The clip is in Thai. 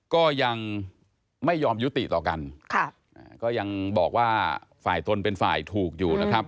ก็ยังไม่ยอมยุติต่อกันค่ะอ่าก็ยังบอกว่าฝ่ายตนเป็นฝ่ายถูกอยู่นะครับ